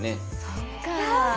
そっかぁ。